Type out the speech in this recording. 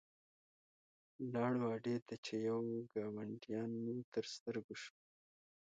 لاړو اډې ته چې یو ګاډیوان مو تر سترګو شو.